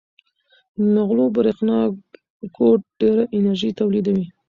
د نغلو برېښنا کوټ ډېره انرژي تولیدوي.